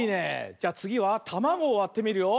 じゃつぎはたまごをわってみるよ。